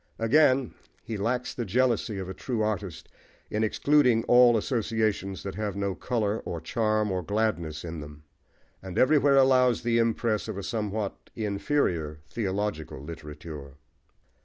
Again, he lacks the jealousy of a true artist in excluding all associations that have no colour, or charm, or gladness in them; and everywhere allows the impress of a somewhat inferior theological literature.